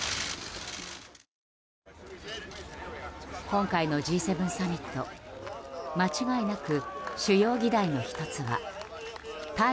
今回のＧ７サミット間違いなく主要議題の１つは対